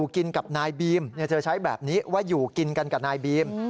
กินกับนายบีมเธอใช้แบบนี้ว่าอยู่กินกันกับนายบีม